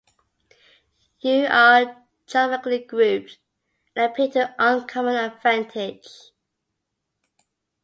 You are charmingly grouped, and appear to uncommon advantage.